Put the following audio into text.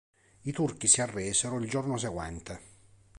I turchi si arresero il giorno seguente.